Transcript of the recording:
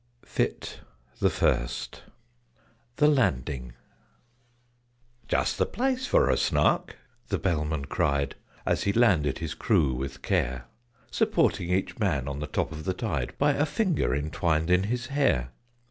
Fit the First. THE LANDING. "Just the place for a Snark!" the Bellman cried, As he landed his crew with care; Supporting each man on the top of the tide By a finger entwined in his hair.